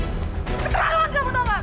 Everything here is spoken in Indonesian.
keterlaluan kamu tau gak